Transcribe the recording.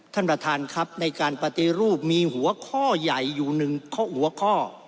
ท่านประธานครับในการปฏิรูปมีหัวข้อใหญ่อยู่หนึ่งข้อหัวข้อ